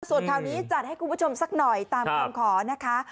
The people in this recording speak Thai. ส่วนข่าวนี้จัดให้คุณผู้ชมสักหน่อยตามคำขอนะคะ